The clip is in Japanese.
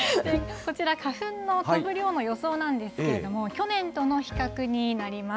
こちら、花粉の飛ぶ量の予想なんですけれども、去年との比較になります。